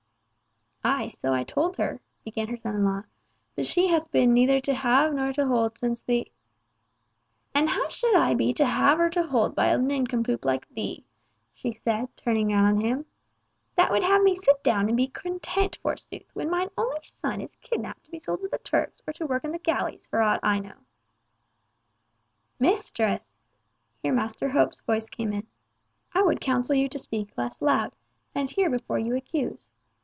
"Ay, so I told her," began her son in law, "but she hath been neither to have nor to hold since the—" "And how should I be to have or to hold by a nincompoop like thee," she said, turning round on him, "that would have me sit down and be content forsooth, when mine only son is kidnapped to be sold to the Turks or to work in the galleys, for aught I know." "Mistress!" here Master Hope's voice came in, "I would counsel you to speak less loud, and hear before you accuse.